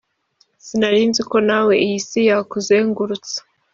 Sinarinziko nawe iy’isi yakuzengurutsa